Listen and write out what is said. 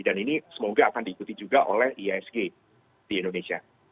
dan ini semoga akan diikuti juga oleh isg di indonesia